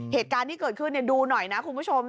เหตุการณ์ที่เกิดขึ้นดูหน่อยนะคุณผู้ชม